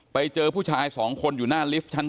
ไปเจอผู้ชาย๒คนอยู่หน้าลิฟท์ชั้น